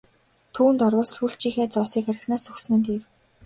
Түүнд орвол сүүлчийнхээ зоосыг архинаас өгсөн нь дээр!